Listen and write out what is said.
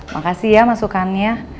makasih ya masukannya